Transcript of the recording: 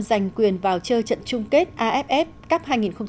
giành quyền vào chơi trận chung kết aff cup hai nghìn một mươi tám